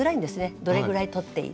どれぐらい取っていい。